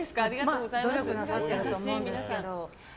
努力なさってると思うんですけど。